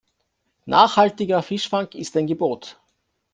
Nachhaltiger Fischfang ist ein Gebot.